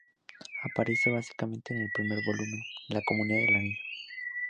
Aparece básicamente en el primer volumen, La Comunidad del Anillo.